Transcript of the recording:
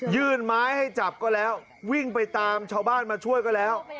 ยื่นไม้ให้จับก็แล้ววิ่งไปตามชาวบ้านมาช่วยก็แล้ว